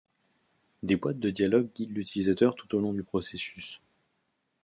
Des boîtes de dialogue guident l'utilisateur tout au long du processus.